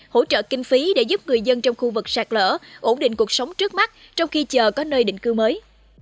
hỗ trợ kinh phí để giúp người dân trong khu vực sạt lỡ ổn định cuộc sống trước mắt trong khi chờ có nơi định cư mới